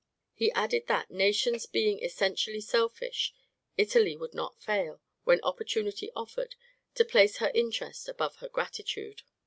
He added that, nations being essentially selfish, Italy would not fail, when opportunity offered, to place her interest above her gratitude.